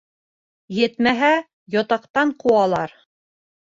Етмәһә, ятаҡтан ҡыуалар.